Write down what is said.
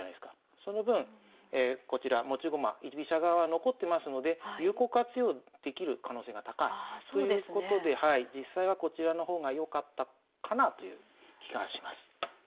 その分こちら持ち駒居飛車側残ってますので有効活用できる可能性が高いということで実際はこちらの方がよかったかなあという気がします。